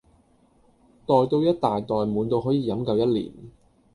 袋到一大袋滿到可以夠飲一年